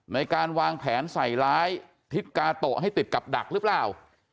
ในการวางแผนใส่ร้ายทิศกาโตะให้ติดกับดักหรือเปล่า